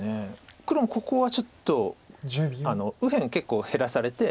黒もここはちょっと右辺結構減らされて。